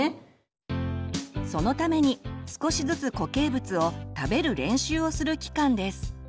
そのために少しずつ固形物を「食べる練習」をする期間です。